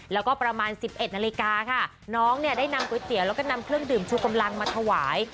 แล้วก็ประมาณ๑๑นาฬิกาค่ะน้องเนี่ยได้นำก๋วยเตี๋ยวแล้วก็นำเครื่องดื่มชูกำลังมาถวาย